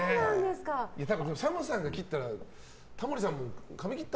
ＳＡＭさんが切ったらタモリさんも髪切った？